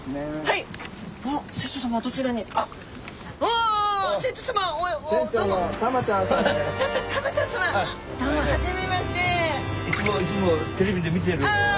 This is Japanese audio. いつもいつもテレビで見てるから。